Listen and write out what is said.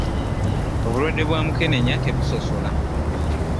Obulwadde bwa mukenenya tebusosola.